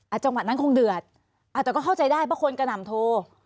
จังหวะนั้นคงเดือดอาจจะก็เข้าใจได้เพราะคนกระหน่ำโทร